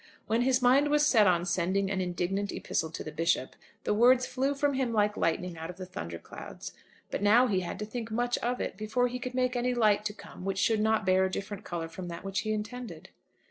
When his mind was set on sending an indignant epistle to the Bishop, the words flew from him like lightning out of the thunder clouds. But now he had to think much of it before he could make any light to come which should not bear a different colour from that which he intended.